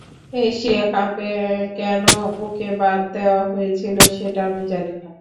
Asia কাপে কেন ওকে বাদ দেওয়া হয়েছিল, সেটা আমি জানি না।